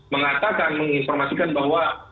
mengatakan menginformasikan bahwa